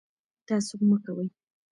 تعصب مه کوئ